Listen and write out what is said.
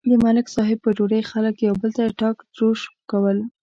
د ملک صاحب په ډوډۍ خلک یو بل ته ټاک تروش کول.